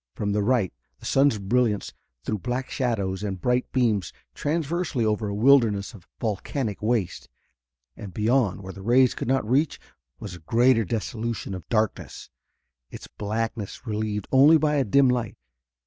From the right the sun's brilliance threw black shadows and bright beams transversely over a wilderness of volcanic waste. And beyond, where the rays could not reach, was a greater desolation of darkness, its blackness relieved only by a dim light.